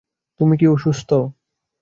তুমি কি অসুস্থ?